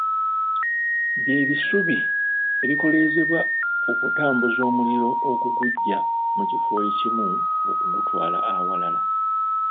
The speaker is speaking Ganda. Bye bisubi ebikoleezebwa okutambuza omuliro okuguggya mu kifo ekimu okugutwala awalala.